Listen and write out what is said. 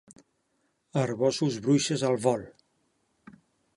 A Arboçols, bruixes al vol.